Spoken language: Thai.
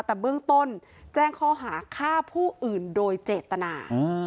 แต่เบื้องต้นแจ้งข้อหาฆ่าผู้อื่นโดยเจตนา